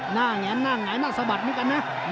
แงนหน้าหงายหน้าสะบัดเหมือนกันนะ